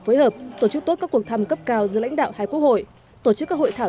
phối hợp tổ chức tốt các cuộc thăm cấp cao giữa lãnh đạo hai quốc hội tổ chức các hội thảo